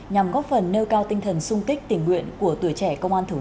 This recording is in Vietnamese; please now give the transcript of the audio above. nhằm góp phần nêu cao tinh thần sung kích tình nguyện của tuổi trẻ công an thủ đô